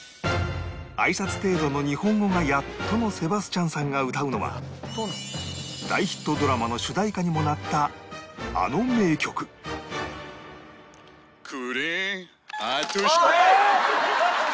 挨拶程度の日本語がやっとのセバスチャンさんが歌うのは大ヒットドラマの主題歌にもなったあの名曲「くれ」えっ！